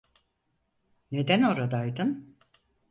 Neden oradaydın?